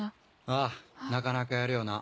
ああなかなかやるよな。